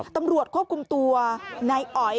ตำรวจควบคุมตัวนายอ๋อย